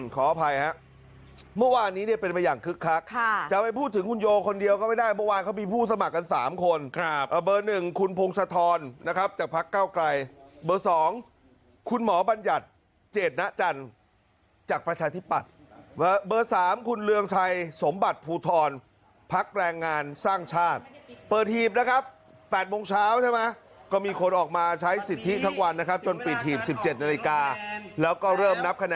ขออภัยฮะเมื่อวานนี้เนี่ยเป็นไปอย่างคึกคักค่ะจะไปพูดถึงคุณโยคนเดียวก็ไม่ได้เมื่อวานเขามีผู้สมัครกัน๓คนครับเบอร์๑คุณพงศธรนะครับจะพักเก้ากลายเบอร์๒คุณหมอบรรยัตน์เจดนะจันทร์จากประชาธิปัตย์เบอร์๓คุณเรืองชัยสมบัติภูทรพักแรงงานสร้างชาติเปิดทีมนะครับ๘โมงเช้